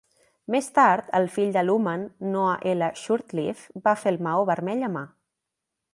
Més tard, el fill de Luman, Noah L. Shurtliff, va fer el maó vermell a mà.